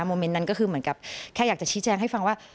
เมนต์นั้นก็คือเหมือนกับแค่อยากจะชี้แจงให้ฟังว่า